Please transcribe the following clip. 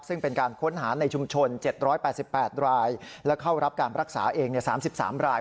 ซึ่งเป็นการค้นหาในชุมชน๗๘๘รายและเข้ารับการรักษาเอง๓๓ราย